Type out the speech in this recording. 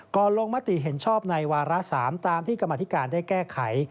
ลงมติเห็นชอบในวาระ๓ตามที่กรรมธิการได้แก้ไข